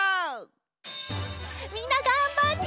みんながんばって。